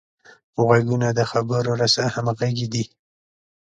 غوږونه د خبرو رسه همغږي دي